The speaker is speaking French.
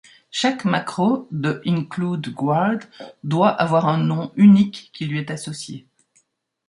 Chaque macro de include guard doit avoir un nom unique qui lui est associé.